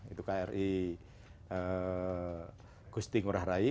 itu kri gusti ngurah rai